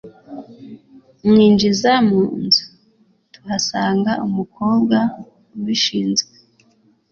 Mwinjiza mu nzu tuhasanga umukobwa ubishinzwe